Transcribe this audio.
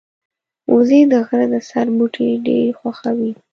وزې د غره د سر بوټي ډېر خوښوي